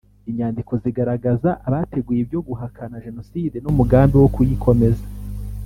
Inyandiko zigaragaza abateguye ibyo guhakana Jenoside n’umugambi wo kuyikomeza